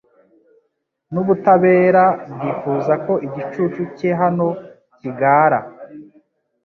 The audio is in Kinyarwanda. n'ubutabera bwifuza ko igicucu cye hano gikara